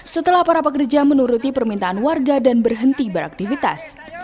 setelah para pekerja menuruti permintaan warga dan berhenti beraktivitas